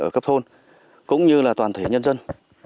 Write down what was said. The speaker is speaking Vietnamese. ở cấp thôn cũng như là toàn thể nhân dân